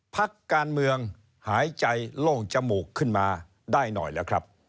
พักการเมืองหายใจโล่งจมูกขึ้นมาได้หน่อยแล้วครับ